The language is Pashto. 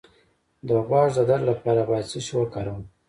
د غوږ د درد لپاره باید څه شی وکاروم؟